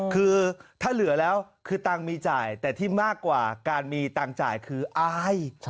คือถ้าเหลือแล้วคือตังค์มีจ่ายแต่ที่มากกว่าการมีตังค์จ่ายคืออาย